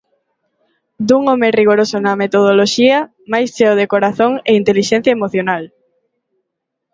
Dun home rigoroso na metodoloxía, mais cheo de corazón e intelixencia emocional.